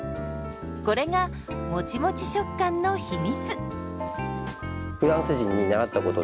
これがもちもち食感の秘密。